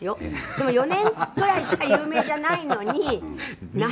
でも、４年ぐらいしか有名じゃないのに、なんで？